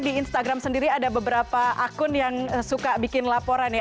di instagram sendiri ada beberapa akun yang suka bikin laporan ya